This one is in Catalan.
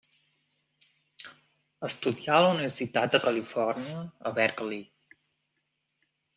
Estudià a la Universitat de Califòrnia a Berkeley.